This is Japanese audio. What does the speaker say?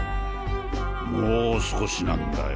もう少しなんだよ。